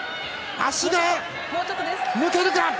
足が抜けるか。